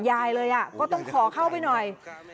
ยายเลยก็ต้องขอเข้าไปหน่อย